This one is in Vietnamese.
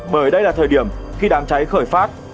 bởi đây là thời điểm khi đám cháy khởi phát